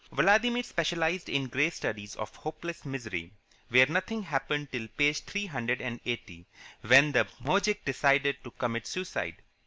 Vladimir specialized in grey studies of hopeless misery, where nothing happened till page three hundred and eighty, when the moujik decided to commit suicide.